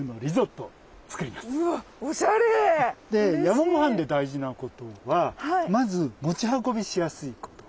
山ごはんで大事なことはまず持ち運びしやすいこと。